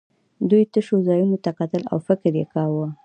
دوی تشو ځایونو ته کتل او فکر یې کاوه